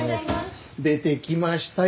出てきましたよ